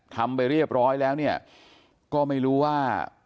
ทำไปเรียบร้อยแล้วเนี่ยก็ไม่รู้ว่า